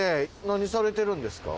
何されてるんですか？